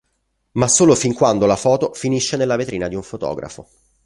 Ma solo fin quando la foto finisce nella vetrina di un fotografo.